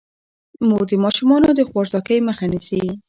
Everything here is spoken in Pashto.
مور د ماشومانو د خوارځواکۍ مخه نیسي.